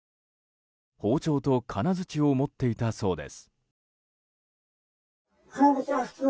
包丁と金づちを持っていたそうです。